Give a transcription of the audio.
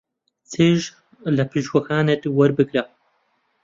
چێژ لە پشووەکانت وەربگرە.